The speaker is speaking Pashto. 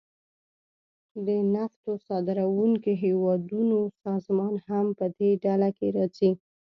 د نفتو صادرونکو هیوادونو سازمان هم پدې ډله کې راځي